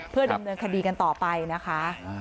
เพื่อดำเนินคดีกันต่อไปนะคะ